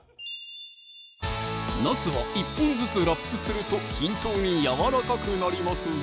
なすは１本ずつラップすると均等にやわらかくなりますぞ